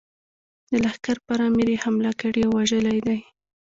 د لښکر پر امیر یې حمله کړې او وژلی دی.